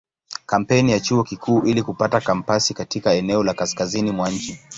Kampeni ya Chuo Kikuu ili kupata kampasi katika eneo la kaskazini mwa nchi.